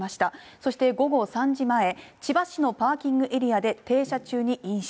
そして午後３時前、千葉市のパーキングエリアで停車中に飲酒。